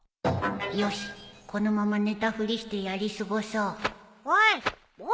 よしこのまま寝たふりしてやり過ごそうおいおいっ。